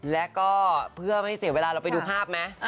แล้วก็เพื่อไม่เสียเวลาเราไปดูภาพไหม